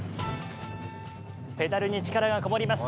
ペダルに力がこもります。